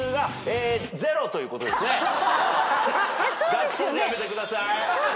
ガッツポーズやめてください。